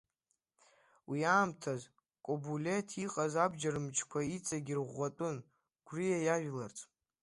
Уи аамҭаз Кобулеҭ иҟаз абџьар мчқәа иҵегь ирӷәӷәатәын, гәриа иажәларц.